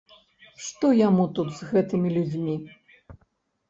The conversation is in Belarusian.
Што яму тут з гэтымі людзьмі?